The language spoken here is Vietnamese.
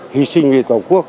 hy sinh vì tổ quốc